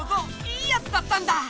いいヤツだったんだ！